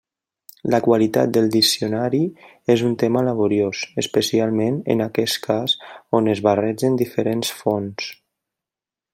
La qualitat del diccionari és un tema laboriós, especialment en aquest cas on es barregen diferents fonts.